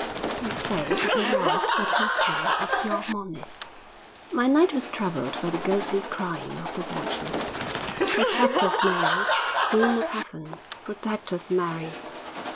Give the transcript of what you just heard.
And so I arrived at the hotel of Xiormonez. II My night was troubled by the ghostly crying of the watchman: 'Protect us, Mary, Queen of Heaven; protect us, Mary!'